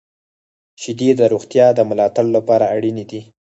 • شیدې د روغتیا د ملاتړ لپاره اړینې دي.